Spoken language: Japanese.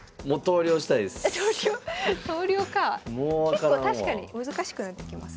結構確かに難しくなってきますね。